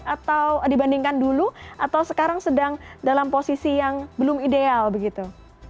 atau dibandingkan dulu atau sekarang sedang dalam posisi yang belum ideal begitu